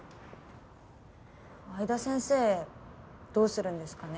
相田先生どうするんですかね？